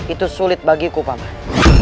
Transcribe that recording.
itu sulit bagiku paman